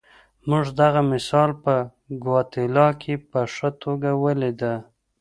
موږ دغه مثال په ګواتیلا کې په ښه توګه ولیده.